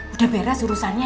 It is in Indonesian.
udah beres urusannya